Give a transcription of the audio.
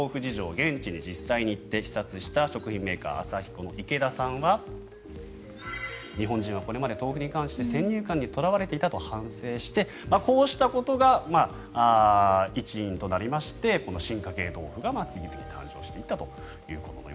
現地に実際に行って視察した食品メーカー、アサヒコの池田さんは日本人はこれまで豆腐に関して先入観にとらわれていたと反省してこうしたことが一因となりましてこの進化系豆腐が次々誕生していったと。